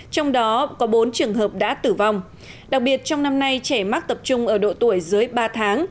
trong đó có bốn trường hợp đã tử vong đặc biệt trong năm nay trẻ mắc tập trung ở độ tuổi dưới ba tháng